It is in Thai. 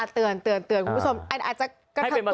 ตื่นตื่นตื่นของคุณผู้ชมค่ะอาจจะให้เป็นประสบการณ์